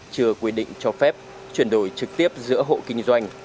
chưa quy định cho phép chuyển đổi trực tiếp giữa hộ kinh doanh